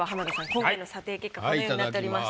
今回の査定結果このようになっております。